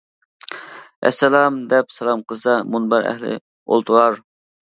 ئەسسالام دەپ سالام قىلسام، مۇنبەر ئەھلى ئولتۇرار.